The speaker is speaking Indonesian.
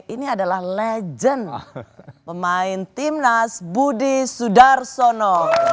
ini adalah legend pemain timnas budi sudarsono